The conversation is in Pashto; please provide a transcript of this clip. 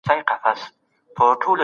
مریم له کابل سره په مینه خبرې کوي.